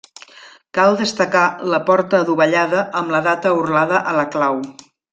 Cal destacar la porta adovellada amb la data orlada a la clau.